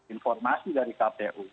informasi dari kpu